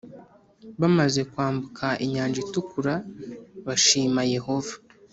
bamaze kwambuka inyanja itukura bashima yehova